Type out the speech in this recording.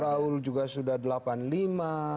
raul juga sudah delapan puluh lima